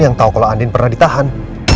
yang tahu kalau andin pernah ditahan